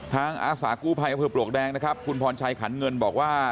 อาสากู้ภัยอำเภอปลวกแดงนะครับคุณพรชัยขันเงินบอกว่า